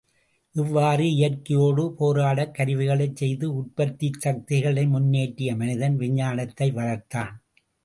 இவ்வாறு இயற்கையோடு போராடக் கருவிகளைச் செய்து உற்பத்திச் சக்திகளை முன்னேற்றிய மனிதன், விஞ்ஞானத்தை வளர்த்தான்.